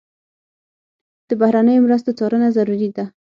د بهرنیو مرستو څارنه ضروري ده.